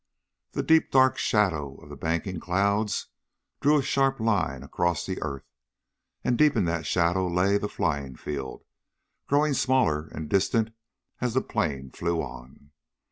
The deep dark shadow of the banking clouds drew a sharp line across the earth, and deep in that shadow lay the flying field, growing small and distant as the plane flew on.